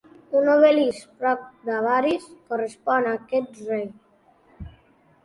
Un obelisc prop d'Avaris correspon a aquest rei.